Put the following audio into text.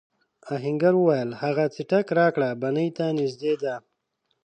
آهنګر وویل هغه څټک راکړه بنۍ ته نږدې دی.